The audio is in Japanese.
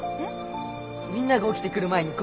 みんなが起きてくる前にここで。